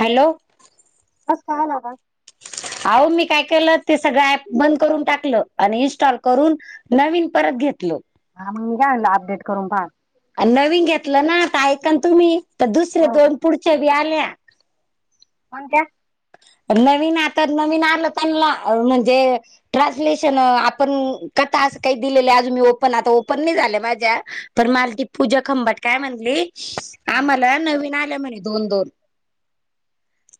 Hello [unintelligible] अहो मी काय केलं ते सगळं ऍप बंद करून टाकलं आणि इनस्टॉल करून नवीन परत घेतल हा मग आणलं अपडेट करून पहा नवीन घेतलं ना तर ऐकन तुम्ही तर दुसरे दोन पुढच्या बी आल्या [unintelligible] नवीन आता नवीन आलं त्यांनला अ म्हणजे ट्रान्सलेशन आपण कथा अस काही दिलेली अजून मी ओपन आता ओपन नाही झाल्या माझ्या तर मालती पूजा खंबाट काय म्हणली हम्म, आम्हाला नवीन आल्या म्हणे दोन दोन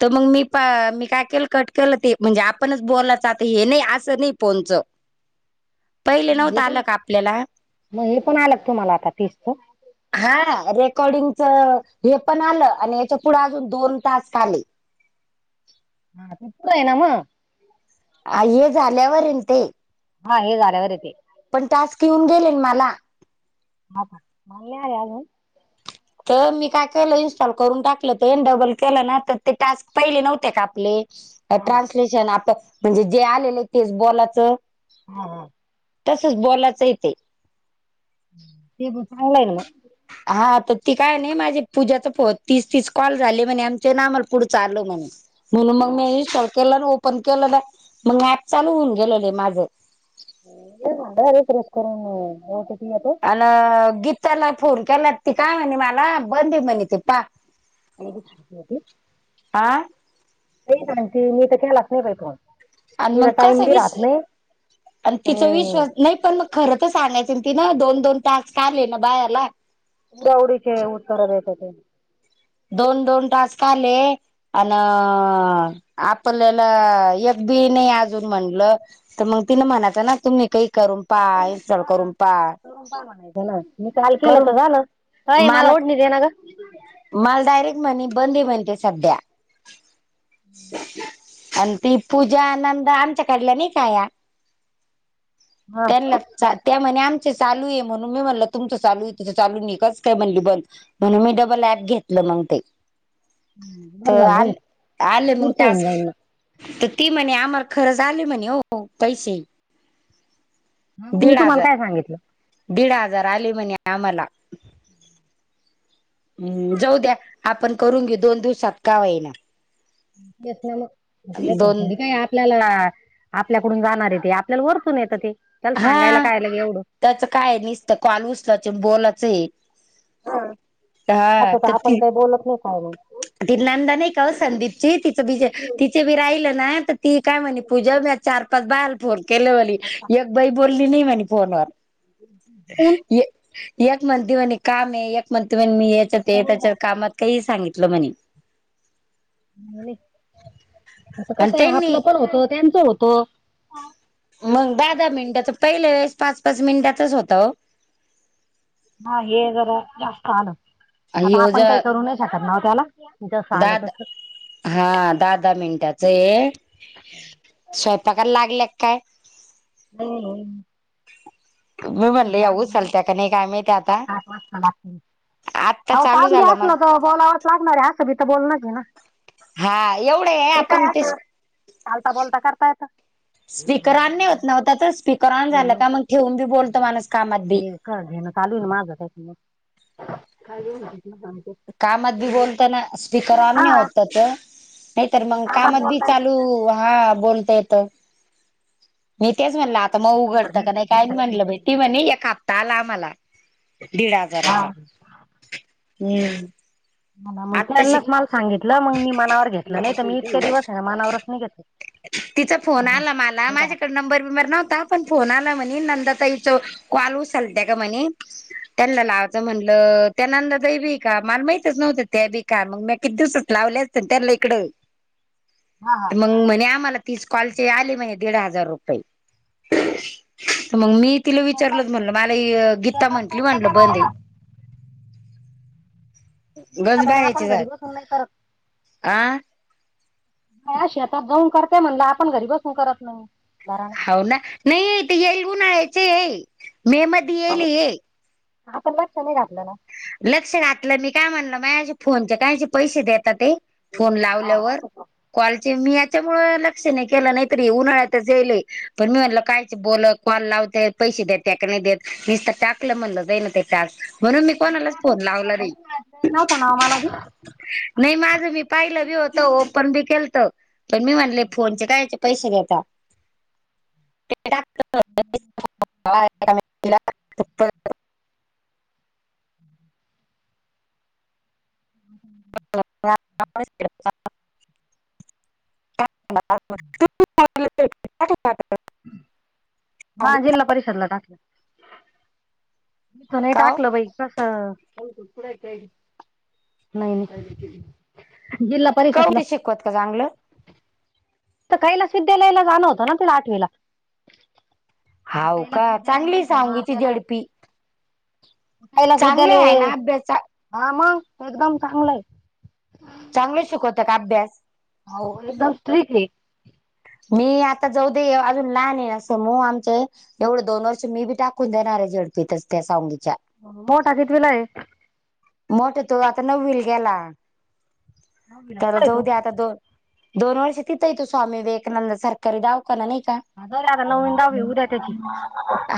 तर मग मी प मी काय केलं कट केलं ते म्हणजे आपणच बोलाच आता हे नाही असं नाही पोंचं [inaudible] हे पण आपल्याला मग हे पण आल का तुम्हाला आता तीसच हा रेकॉर्डिंगच हे पण आलं आणि याच्या पुढे अजून दोन टास्क आले [inaudible] [unintelligible] ना म आ हे झाल्यावर येईन ते हा हे झाल्यावर येते पण टास्क येऊन गेले न मला ह का मल नाही आले अजून तर मी काय केलं इनस्टॉल करून टाकलं ते डबल केलं ना तर ते टास्क पहिले नव्हते का आपले हा ट्रान्सलेशन आप म्हणजे जे आलेलं आहे तेच बोलाचं [inaudible] तसच बॉलाचं येते ते ब चांगलाच न मग हा तर ती काय नाही माझे पूजाच प तीस तीस कॉल झाले म्हणे आमच्या नामला पुढ च आल म्हणे म्हणून मग मी इन्स्टॉल केलं ओपन केलं ना मग ॲप चालू होऊन गेलं आहे माझं [unintelligible] अला गीताला फोन केला ती काय म्हणे मला बंदी म्हणे ते पहा. [unintelligible] आं. [unintelligible] मी तर केलाच नाही प फोन आणि तिला मग टाइम कसा बी राहत विषय नाही आणि तिचा विश्वास नाही पण मग खरं तर सांगायचं न तीन दोन दोन तास आले ना बायारला गवरीचे ऊस तोंडाला येतात तें. दोन दोन टास्क आले. अ आपल्याला एकग बी नाही अजून म्हणलं.. तर मग तिन म्हणाचं ना तुम्ही काही करून पाय.. ह करून पहा म्हटलं ना मी काल केलं करून तर झालं ए मला ओढणी ना ग मला डायरेक्ट म्हणे बंदी [unintelligible] सध्या. आणि ती पूजा आनंद आमच्याकडला नाही का या हा त्यांनला.. त्या म्हणे आमचे चालू आहे म्हणून मी म्हणल तुमचं चालू आहे तिं चालू नाही कास काय म्हणली बंद. म्हणून मी डबल ऍपं घेतलं मग ते. बरं तर झालं जाऊ आले आलं मग पुढचं होऊन टास्क. जाईल ना तर ती म्हणे आम्हाला खरंच आली म्हणे हो हो पैसे. हं म मी तुम्हाला काय सांगितलं? दीडा हजार आले म्हणे आम्हाला. हम्म जाऊ द्या आपण करून घेऊ दोन दिवसात कवाही. [unintelligible] दोन आपल्याला आपल्याकडून जाणार आहे तेी आपल्याला वरचून येतं ते त्याला सांगायला कायला एवढं... त्याचं काय निसतं कॉल उचला च बोलायचं आहे. हा हा असं तर आपण ती काही बोलत नाही का मग. ती नांदा नाही का संदीपची तिचं बीज तिचे बी राहिल ना तर ती काय म्हणे... पूजा मी चार पाच [unintelligible] केल्यावाली एक बाई बोलली नाही म्हणे फोनवर. कोण ये एक म्हणते म्हणे काम एक म्हणते म्हणे मी याच्यात त्याच्यात कामात काही सांगितलं म्हणे.. आता आणि कस आहे त्यांनी आपलं पण होत त्यांचं होत. मग दहा दहा मिनिटाचं पहिल्या वेळेस पाच पाच मिनिटाचच होतं. ओ. हा हे जरा जास्त आलं आता ह्यो आपण काही करू नाही शकत ना त्याला. जसं आलं दहा द तसं हा दहा दहा मिनटाचं हाये. स्वयंपाक लागल्यात काय? रिकामा ऑडिओ मी बसले म्हणल होते या आज उचलत्या का नाही काय माहिती आता [unintelligible] आत्ता अहो चालू काम बी झालं असल मग तर बोलावच लागणार आहे असं भी तर बोलण आहे ना! हा एवढ हाये ते आपन काय तें असं चालता बोलता करता येत स्पीकर ऑन नाहीं होत ना त्याचा स्पी कर ऑन नाही झालं हो का मग ठेवून बी बोलतो माणूस कामात बी. [inaudible] कामात नी बोलत ना. स्पीकर ऑन नाय हा होत त्याच नाहीतर पण मग कामात बी बोलता येत चालू हा बोलता येत. मी तेच म्हणलं आता मग शंभर उघडतं का नाही दीडशे घ्या काही काय म्हणलं म्हणते. बईटी म्हणे एक हप्ता आला आम्हाला. दीड हजाराचा हम्म. मग आत्ता शिक त्यांनाच मला सांगितलं मग मी मनावर घेतलं नाही तर मी इतके दिवस आहे ना मनावरच नाही घेतले. तिचा फोन आला मला माझ्याकडे नंबर बिंबर नव्हता. पण फोन आला म्हणे नंदाताईच कॉल उचचालत्या का म्हणे.. त्यांना लावाचं म्हणलं त्या नंदा ताई भी हाय का माल माहितच नव्हतं त्या बीक का मग मी किती दिवसात लावले अस त्यानला इकडं. हा हा. मंग म्हणे आम्हाला तीस कॉल चे आले बाई दीड हजार रुपये. तर मंग मी तिला शेतात विचारलं म्हटलं मला गीता शेतात म्हंटली करते का म्हटलं बंद बाया गंज आपण घरी बसून नाही करत. आं. शेत जाऊन करते म्हणलं आपण घरी बसून करत नाही. [inaudible] [inaudible] लक्ष घातलं मी काय म्हणलं माझे फोनचे काय पैसे देतात ते फोन लावल्यावर. कॉलचे मी याच्यामुळे लक्ष नाही केलं नाहीतरी उन्हाळ्यातच येईल पण मी म्हलं कायच बोलत कॉल लावते पैसे देत त्या नाही देत नीस तर टाकलं म्हणलं जाई ना ते टाक म्हणून मी कोणालाच फोन लावला नाही. नव्हतं ना मला बी नाही माझं मी पाहिलं बी होत ओपन बी केलत पण मी म्हणले फोनचे काय पैसे घेतता [unintelligible] [inaudible] [unintelligible] [inaudible] [inaudible] हा जिल्हा परिषदला टाकलं तथ नाही काव टाकलं प कस नाही जि परिसरला शिकत का चांगलं. काैलास विद्यालयाला जाण होत ना तला आठवेला हाऊ का विद्यालय चांगली माहिती आहे ना सांंगीची आपल्याला झडपी कैलास चांगले आहे विद्यालय ना अभ्यास हा मग एकदम चांगलं आहे चांगलं शिकवता का अभ्यास हो एकदम स्टिक हाय. मी आता जाऊ देे अजून लहान ये आहे ना समूह आमचे एवढं दोन वर्ष मी बी टाकून देणार आहे झडपीतच त्या सांंगीच्या [inaudible] मोठ तो आता नवीला गेला नववीला तर कुठे तो जाऊद्या आता दोन दोन वर्ष तिथं आहे तो स्वामी विवेकानंद सरकारी दवाखना नाही का? बर आता नवीन दहावी उद्या त्याची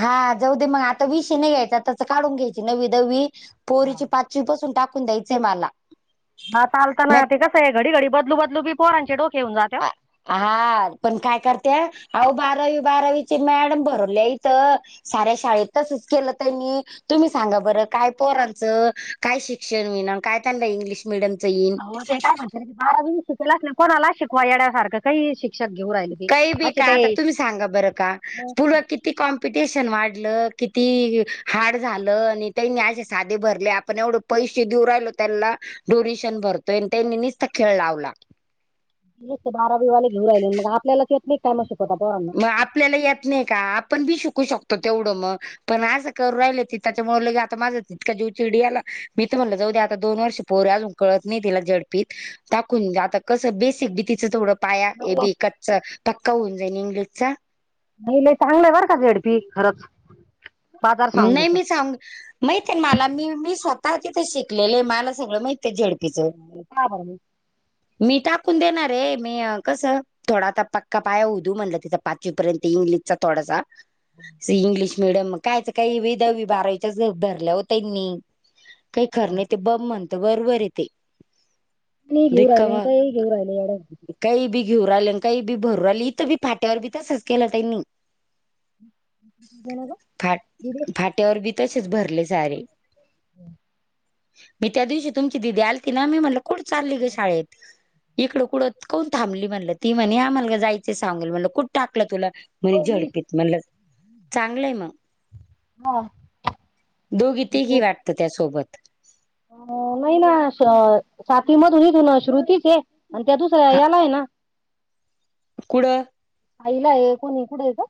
हा जाऊ दे मग आता विष नाही घ्यायच आताच काढून घ्यायची नवी दवी पोरीची पात ची बसून टाकून द्यायच हाय मला हा मॅ चालताना ते कस आहे घडी घडी बदलू बदलूी पोरा डोक्या वरन जाते हो. आ- हा पण काय करते आवो बारावी बारावीचे मॅडम भरवले इथं साऱ्या शाळेतचच केलं तनी तुम्ही सांगा बरं काय पोरांचं काय शिक्षण विना काय त्यांना इंग्लिश मिडीयम च येईल. हो ते काय म्हण बारा वीस शिकालाच नाही कोणालाच शिकवा येड्यासारखं काही शिक काही बी का आता तुम्ही सांगा बरं का पूर्वा किती किती कॉम्पिटिशन वाढलं किती हाड झालं आणि त्यानी अझे साधे भरले आपण एवढं पैसे देऊ राहिलो त्याला ड्युरिशन भरतोय आणि त्यांनी नुसत खेळ लावला, [inaudible] ् मग आपल्याला यात नाही का आपण बी शिकू शकतो तेवढं मग पण असं करू राहिले त त्याच्यामुळे लगे आता माझं तितका जेव चिडी आला मी तर म्हणलं जाऊ द्या आता दोन वर्षे पोरे अज [inaudible] पाया ए बी कच्च क्क होऊन जाईन इंग्लिशचा नाहीला चांगलंय बर का झेडपी खरंच बाजार नाही सांगीच. मी सांग माहित आहे मला मी मी स्वतः तिथे शिकलेले मला सगळं माहित आहे झेडप काय मी टाकून देणारे मी कसं थोडा आता पक्का पाया होऊधू म्हटलं तिथ पाचवी पर्यंत इंग्लिशचा थोडासा स इंग्लिश मीडिम म कायच काही वि दवी बारावीच्या धरल्या हो त्यांनी काही खर मग नाही ते बम म्हणते बरोबर इ तेे म घेऊ राहिले काय घेऊ राहिले एवढ काही बी घेऊ रालं काही बी भरू राहिली इथं बी फाट्यावर बी तसंच केलं त्यांनी णार का फाट फाट्यावर बी तसेच भरले सारे मी त्या दिवशी तुमची दिदी आली त ना मी म्ह क चालली ग शाळेत इकड कु को थांबली म्हण ती म्हणेलायच चांगल म्हण कुठ टाकलं तुला म्हणे हो मी झडपीत म्हणलं चांगलंय मग हा दोघी तेघी तेच वाटतं त्यासोबत नाही ना साथी मध होच श्रुतीच आहे आणि त्यातुस यालाय ना ककड आईला आहे कोणी कुठं आहे का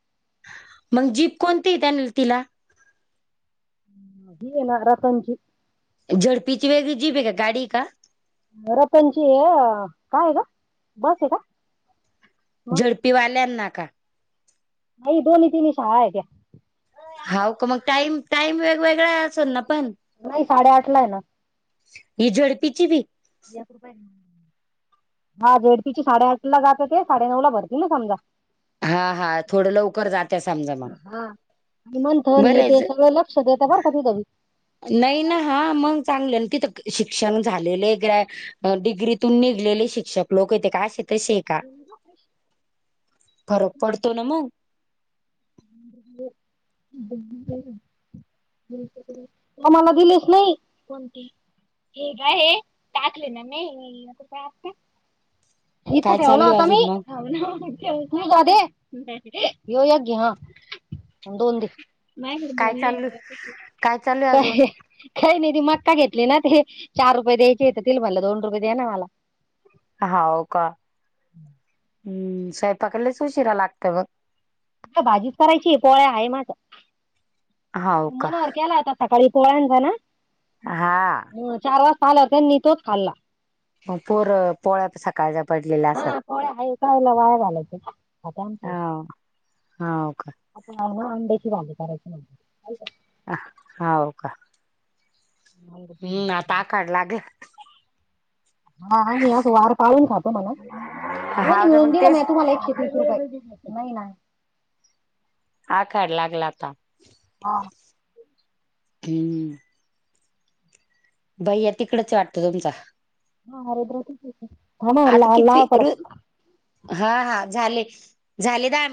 मग जीप कोणती त्यानी तिला घ ना रतनची झडपीची वेगळी जीब आहे का गाडी का रप्यांची काय का बस आहे का मग झडपीवाल्याना का अई दोन तीनशहाा आहेे हो का मग टाईम टाईम वेगवेगळा आहे असेल ना पण नाही साडेआठ ला आहे ना ही झडपीची भी रुपय हा जेडपीची साडेआठ ला जात ते साडेनऊ ला भरतील ना समजा हा हा थोडं लवकर जाते समजा मग निमंथन हे बरंच ते सगळं लक्ष देता परत तिथवी नाही ना हा मग चांगले तिथ शिक्षण झालेले क डिग्रीतून निघलेले शिक्षक लोक येते का असे तसे आहे का श फरक पडतो ना मग ब मला दिलेच नाही कोण ह का आहे टाकले न म इथं काय ठेवलं चालू आता मी अजून मग त का हे हो अग हा धो नाही क काय बन चालू काय चालू अजून काय काही नाही ती मक्का घेतली ना ते चार रुपये द्यायचे येततील म्हटला दोन रुपये द्या ना मला होा का हम् सायपाकडलाच उशिरा लागत मग भाजीच करायची पोळ्या आहे माझ हाव का मनर केला आता सकाळी पोळन जा ना हा चार वाजता लं होतेनी तोच खाल्ला मग पोरं. पोळ्या सकाळच्या पडलेल्या असतात हा पोळ्या आहे काय वाया घालायचं आता आमच्या इथं. अ. हाव का. आता आहे ना अंड्याची भाजी करायची म्हणजे अ हव का म्हणते हम्म आताकड लागेल हा म आज वार पाहून खातो मला हाव दोन्ही ना मिळून मग दिलं तेच म तुम्हाला एकशे तीस रुपये नाही आखायला लागला आता. [unintelligible] [unintelligible] भैया तिकडच वाटतं तुमचा. आता कितवी रु [unintelligible] हा हा झाले झाले दहा मी